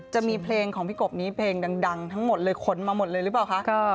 จะมีเพลงของพี่กบนี้เพลงดังทั้งหมดเลยขนมาหมดเลยหรือเปล่าคะ